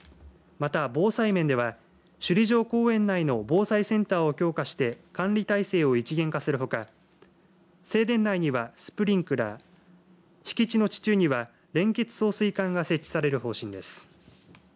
また、防災面では首里城公園内の防災センターを強化して管理体制を一元化するほか正殿内にはスプリンクラー敷地の地中には連結送水管が設置される方針です。